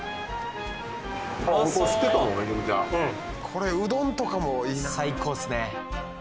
これうどんとかもいいな最高っすね